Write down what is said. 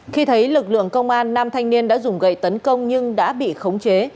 khi thấy lực lượng công an nam thanh niên đã dùng gậy tấn công nhưng đã bị khống chế